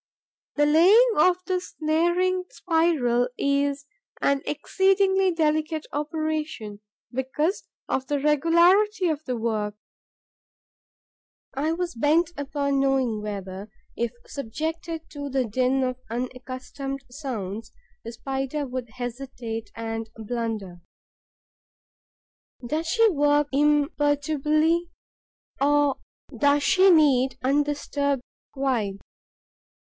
The laying of the snaring spiral is an exceedingly delicate operation, because of the regularity of the work. I was bent upon knowing whether, if subjected to the din of unaccustomed sounds, the Spider would hesitate and blunder. Does she work imperturbably? Or does she need undisturbed quiet?